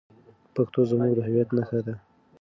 پښتو زموږ د هویت نښه ده.